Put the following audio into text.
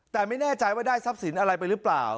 แต่ไม่แน่ใจว่าได้ทรัพย์สินอะไรไปหรือเปล่า